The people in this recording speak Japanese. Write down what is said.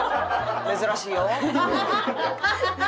珍しいよ。